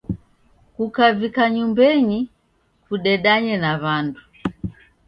Kukavika nyumbenyi kudedanye na w'andu.